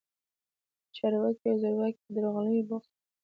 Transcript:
چارواکي او زورواکي په درغلیو بوخت وو.